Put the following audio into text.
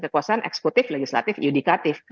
kekuasaan eksekutif legislatif yudikatif